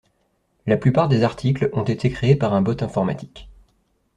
La plupart des articles ont été créés par un bot informatique.